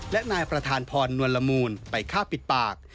และนายประธานพรนวลละมูลไปฆ่าปิดปาก